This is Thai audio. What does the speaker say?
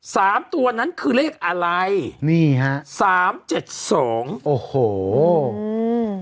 สามตัวนั้นคือเลขอะไรนี่ฮะสามเจ็ดสองโอ้โหอืม